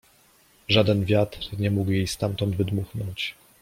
Żaden wiatr nie mógł jej stamtąd wydmuchnąć.